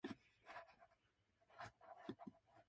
fvuufvfdivtrfvjrkvtrvuifri